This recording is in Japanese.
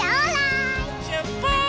しゅっぱつ！